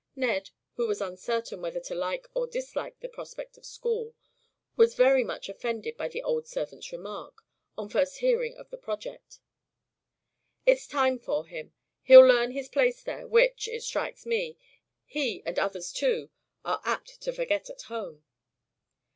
Ned, who was uncertain whether to like or dislike the prospect of school, was very much offended by the old servant's remark, on first hearing of the project. "It's time for him. He'll learn his place there, which, it strikes me, he and others too are apt to forget at home."